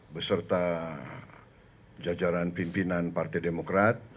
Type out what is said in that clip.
beserta jajaran pimpinan partai demokrat